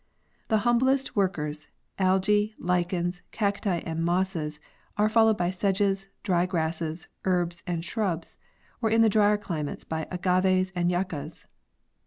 The humblest workers, alge, lichens, cacti and mosses, are followed by sedges, dry grasses, herbs and shrubs, or in the drier climates by agaves and yuccas.